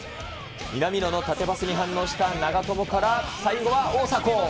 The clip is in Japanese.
南野の縦パスに反応した長友から最後は大迫。